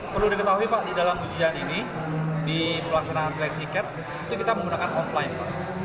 perlu diketahui pak di dalam ujian ini di pelaksanaan seleksi cap itu kita menggunakan offline pak